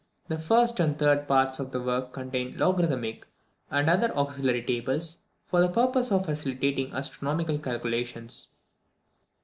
The first and third parts of the work contain logarithmic and other auxiliary tables, for the purpose of facilitating astronomical calculations.